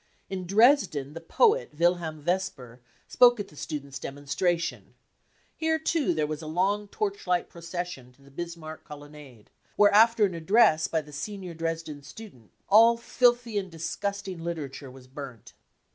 " In Dresden the poet Wilhelm Vesper spoke at the students 9 demonstration ; here too there was a long torchlight procession to the Bismarck colonnade, where after an address by the senior Dresden student all filthy and disgusting literature was burnt.